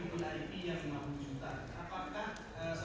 mou ada di balai spesifikasi